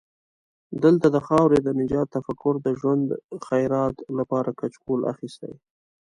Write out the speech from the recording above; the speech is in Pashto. دلته د خاورې د نجات تفکر د ژوند خیرات لپاره کچکول اخستی.